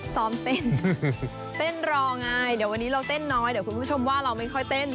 ซ้อมเต้นเต้นรอไงเดี๋ยววันนี้เราเต้นน้อยเดี๋ยวคุณผู้ชมว่าเราไม่ค่อยเต้น